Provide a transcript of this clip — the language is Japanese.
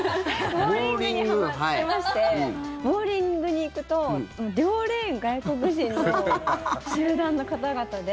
ボウリングにはまってましてボウリングに行くと両レーン外国人の集団の方々で。